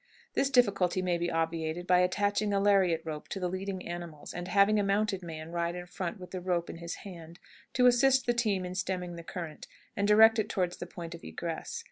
This difficulty may be obviated by attaching a lariat rope to the leading animals, and having a mounted man ride in front with the rope in his hand, to assist the team in stemming the current, and direct it toward the point of egress.